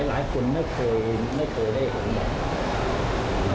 หลายคนไม่เคยได้เห็นแบบนี้อย่างนี้